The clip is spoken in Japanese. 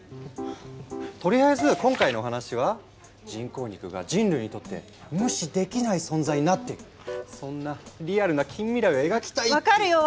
とりあえず今回のお話は人工肉が人類にとって無視できない存在になっているそんなリアルな近未来を描きたいっていう。